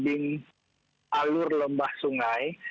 di alur lembah sungai